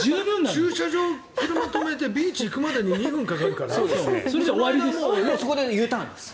駐車場、車止めてビーチに行くまで２分かかるからもうそこでＵターンです。